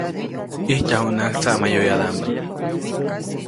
ʼIjtyajuʼuŋnaʼajk tsaʼmayoyadaʼmbä.